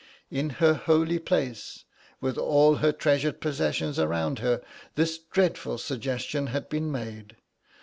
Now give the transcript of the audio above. In her holy place, with all her treasured possessions around her, this dreadful suggestion had been made.